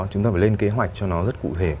chúng ta phải lên kế hoạch cho nó rất cụ thể